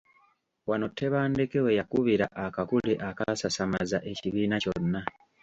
Wano Tebandeke we yakubira akakule akaasasamaza ekibiina kyonna.